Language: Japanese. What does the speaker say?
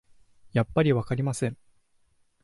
やっぱりわかりません